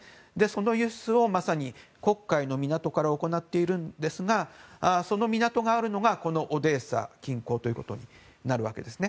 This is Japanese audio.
その輸出をまさに黒海の港から行っているんですがその港があるのがオデーサ近郊になるわけです。